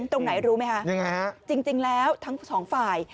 ตรงไหนรู้ไหมคะจริงแล้วทั้งสองฝ่าย